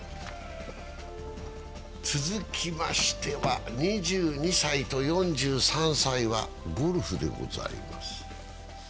続きましては、２２歳と４３歳はゴルフでございます。